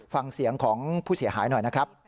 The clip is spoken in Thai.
ฟังเสียงของผู้เสียหายหน่อยนะครับ